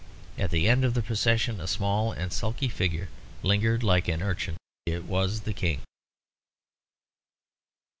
At the end of the procession a small and sulky figure lingered like an urchin. It was the King.